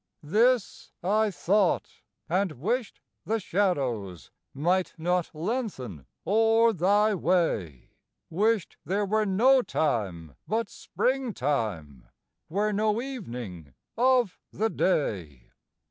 This I thought, and wished the shadows Might not lengthen o'er thy way; Wished there were no time but spring time, Were no evening of the day.